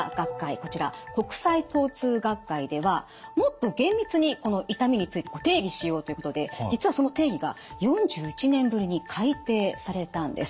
こちら国際疼痛学会ではもっと厳密にこの痛みについて定義しようということで実はその定義が４１年ぶりに改定されたんです。